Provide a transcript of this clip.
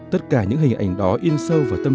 tất cả những hình ảnh đó in sâu vào tâm